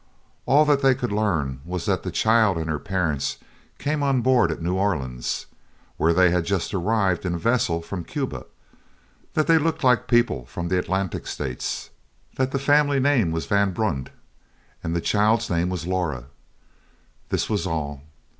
All that they could learn was that the child and her parents came on board at New Orleans, where they had just arrived in a vessel from Cuba; that they looked like people from the Atlantic States; that the family name was Van Brunt and the child's name Laura. This was all.